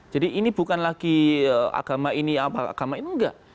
jadi ini bukan lagi agama ini apa agama ini enggak